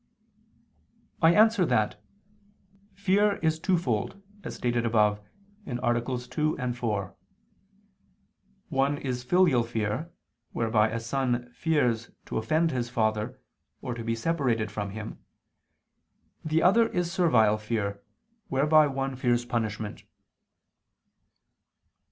I answer that, Fear is twofold, as stated above (AA. 2, 4); one is filial fear, whereby a son fears to offend his father or to be separated from him; the other is servile fear, whereby one fears punishment.